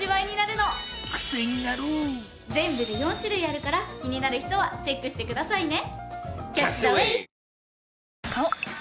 全部で４種類あるから気になる人はチェックしてくださいね！